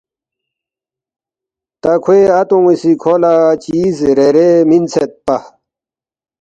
تا کھوے اتون٘ی سی کھو لہ چیز ریرے مِنسیدپا